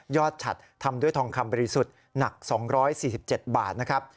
ฉัดทำด้วยทองคำบริสุทธิ์หนัก๒๔๗บาทนะครับ